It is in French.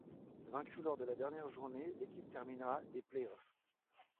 Vaincue lors de la dernière journée l'équipe terminera des play-off.